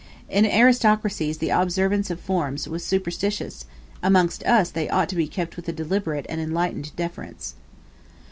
In aristocracies the observance of forms was superstitious; amongst us they ought to be kept with a deliberate and enlightened deference.